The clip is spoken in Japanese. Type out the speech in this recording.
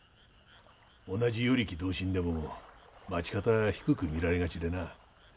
同じ与力同心でも町方は低く見られがちでな。